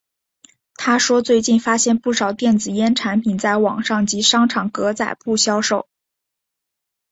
他说最近发现不少电子烟产品在网上及商场格仔铺销售。